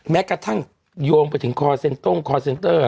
แม้กระทั่งโยงไปถึงคอลเซนต์ต้งอะไรน่ะ